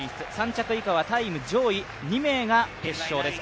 ３着以下はタイム上位２名が決勝です。